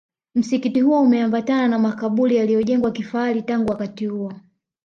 Msikiti huo umeambatana na makaburi yaliyojengwa kifahari tangu wakati huo